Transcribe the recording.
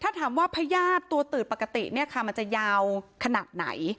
ถ้าถามว่าไพราวตัวตือดปกติมันจะยาวขนาดไหน